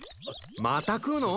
また食うの？